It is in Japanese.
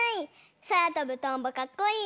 そらとぶとんぼかっこいいね！